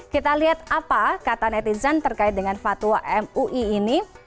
kita lihat apa kata netizen terkait dengan fatwa mui ini